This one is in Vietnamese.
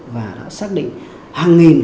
và đã xác định hàng nghìn